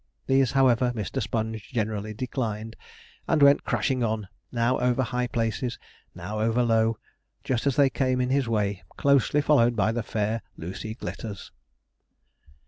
These, however, Mr. Sponge generally declined, and went crashing on, now over high places, now over low, just as they came in his way, closely followed by the fair Lucy Glitters.